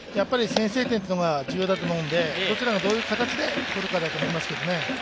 先制点が重要だと思うので、どちらがどういう形で取るかだと思いますね。